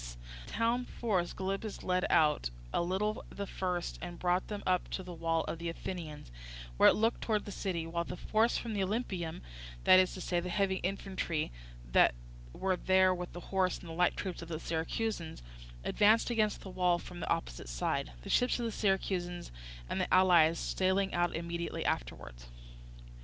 The town force Gylippus led out a little the first and brought them up to the wall of the Athenians, where it looked towards the city, while the force from the Olympieum, that is to say, the heavy infantry that were there with the horse and the light troops of the Syracusans, advanced against the wall from the opposite side; the ships of the Syracusans and allies sailing out immediately afterwards.